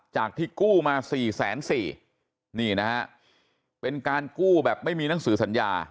จากที่กู้มา๔๔๐๐๐๐นี่นะครับเป็นการกู้แบบไม่มีหนังสือสัญญา